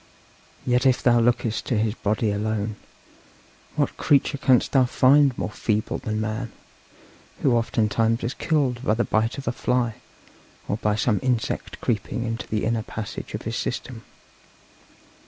Yet if thou lookest to his body alone, what creature canst thou find more feeble than man, who oftentimes is killed by the bite of a fly, or by some insect creeping into the inner passage of his system!